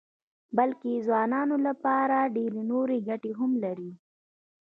بلکې د ځوانانو لپاره ډېرې نورې ګټې هم لري.